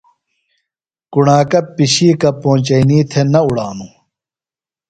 کُݨاکہ پِشیکہ پونچئینی تھےۡ نہ اُڑانوۡ۔